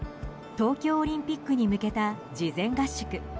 東京オリンピックに向けた事前合宿。